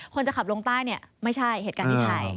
คนจะขับลงใต้ไม่ใช่เหตุการณ์ที่ไทย